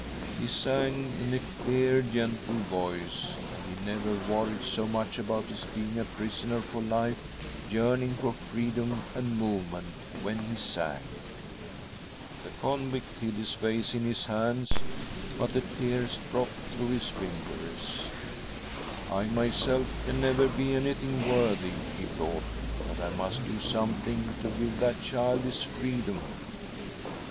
He sang in a clear, gentle voice, and he never worried so much about his being a prisoner for life, yearning for freedom and movement, when he sang. " The convict hid his face in his hands, but the *■■ 7 ■ mi mil* J .....'.• THE STRUGGLE OF A SOUL 161 tears dropped through his fingers. ' I myself can never be anything worthy,' he thought ;' but I must do something to give that child his freedom.'